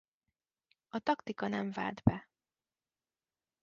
A taktika nem vált be.